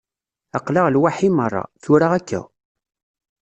Aql-aɣ lwaḥi merra, tura akka.